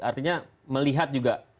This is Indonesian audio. artinya melihat juga